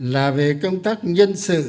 là về công tác nhân sự